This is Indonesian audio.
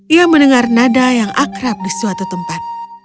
ia mendengar nada yang akrab di suatu tempat